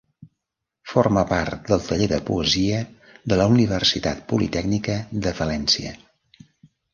Forma part del taller de poesia de la Universitat Politècnica de València.